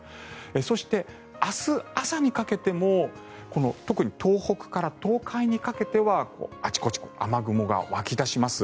そして、明日朝にかけて東北から東海にかけてはあちこち雨雲が湧き出します。